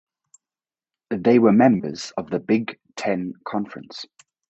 They were members of the Big Ten Conference.